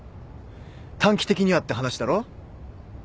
短期的にはって話だろ？